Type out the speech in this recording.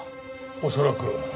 恐らく。